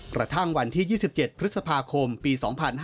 กระทั่งวันที่๒๗พฤษภาคมปี๒๕๕๙